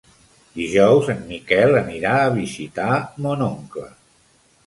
Dijous en Miquel anirà a visitar mon oncle.